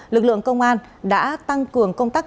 lực lượng công an đã tăng cường công tác